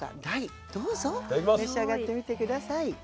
大どうぞ召し上がってみて下さい。